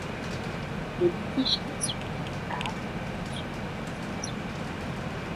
Le litige qui a suivi a atteint la Cour suprême des États-Unis.